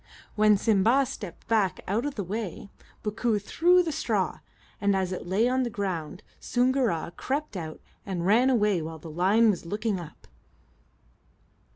When Simba stepped back out of the way, Bookoo threw down the straw, and as it lay on the ground Soongoora crept out and ran away while the lion was looking up.